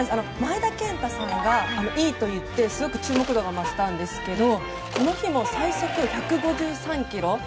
前田健太さんがいいと言ってすごく注目度が増したんですがこの日も最速１５３キロ。